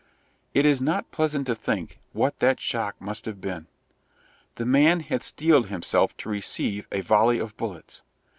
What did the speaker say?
It is not pleasant to think what that shock must have been. The man had steeled himself to receive a volley of bullets.